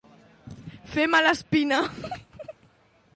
Fer mala espina.